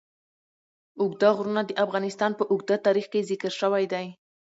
اوږده غرونه د افغانستان په اوږده تاریخ کې ذکر شوی دی.